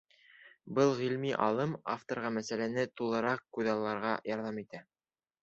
Был ғилми алым авторға мәсьәләне тулыраҡ күҙалларға ярҙам итә.